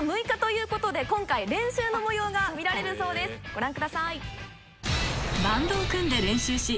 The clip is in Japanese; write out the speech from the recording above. ご覧ください。